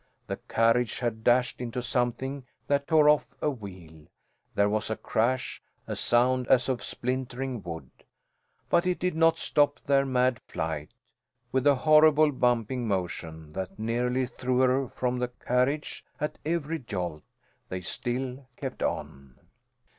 The carriage had dashed into something that tore off a wheel. There was a crash a sound as of splintering wood. But it did not stop their mad flight. With a horrible bumping motion that nearly threw her from the carriage at every jolt, they still kept on.